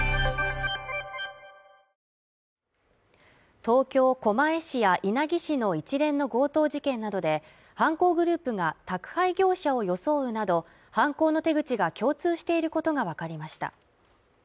東京・狛江市や稲城市の一連の強盗事件などで犯行グループが宅配業者を装うなど犯行の手口が共通していることが分かりました